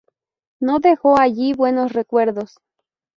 No dejó allí buenos recuerdos.